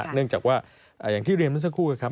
เนื่องจากว่าอย่างที่เรียนเมื่อสักครู่ครับ